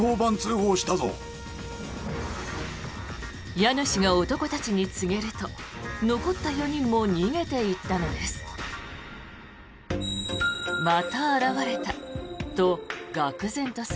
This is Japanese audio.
家主が男たちに告げると残った４人も逃げていったのです。